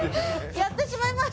やってしまいました？